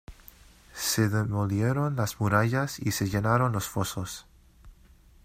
Se demolieron las murallas y se llenaron los fosos.